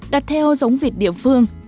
đặt theo giống vịt địa phương